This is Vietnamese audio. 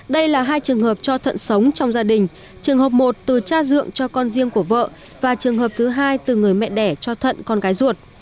đây là hai trường hợp cho thận sống trong gia đình trường hợp một từ cha dượng cho con riêng của vợ và trường hợp thứ hai từ người mẹ đẻ cho thận con gái ruột